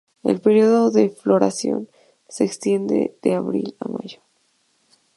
El período de floración se extiende de abril a mayo.